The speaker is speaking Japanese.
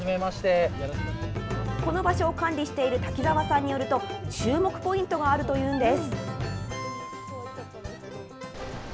この場所を管理している滝沢さんによると、注目ポイントがあるというんです。